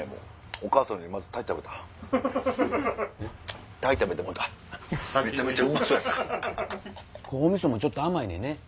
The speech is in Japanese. お味噌もちょっと甘いねんね。